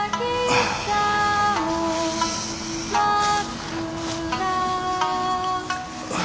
ああ。